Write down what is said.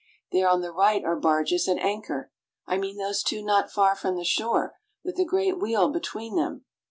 There on the right are barges at anchor. I mean those two not far from the shore, with the great wheel between them.